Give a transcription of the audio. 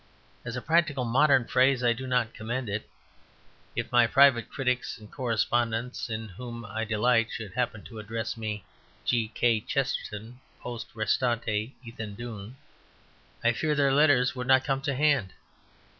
As a practical modern phrase I do not commend it; if my private critics and correspondents in whom I delight should happen to address me "G. K. Chesterton, Poste Restante, Ethandune," I fear their letters would not come to hand.